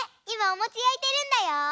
いまおもちやいてるんだよ。